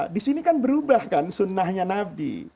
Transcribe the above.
disini kan berubah kan sunnahnya nabi